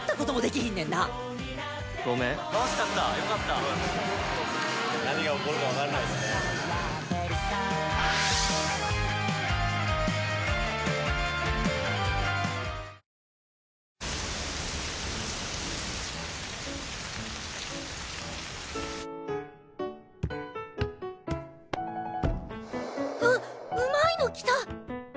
わっうまいのきた。